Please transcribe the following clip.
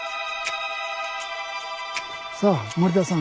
さあ森田さん。